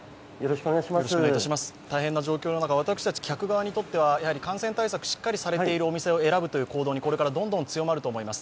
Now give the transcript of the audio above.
大変な状況の中、私たち客側にとっては感染対策をしっかりされているお店を選ぶという行動がどんどん強まると思います。